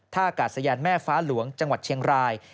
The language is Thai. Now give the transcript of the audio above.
อากาศยานแม่ฟ้าหลวงจังหวัดเชียงราย